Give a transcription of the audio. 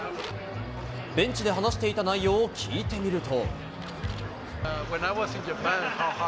ベンチで話していた内容を聞いてみると。